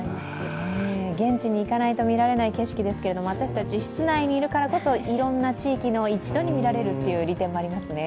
現地に行かないと見られない景色ですけど私たち、室内にいるからこそ、いろんな地域のものを一度に見られるという利点もありますね。